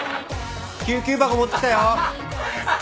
救急箱持ってきたよ。